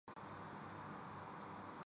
اِک تیری دید چِھن گئی مجھ سے